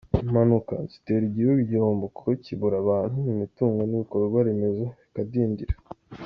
Impanuka zitera igihugu igihombo kuko kibura abantu, imitungo n’ibikorwa remeza bikadindira.